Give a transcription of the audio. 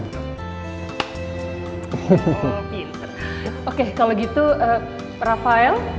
hmm pinter oke kalau gitu rafael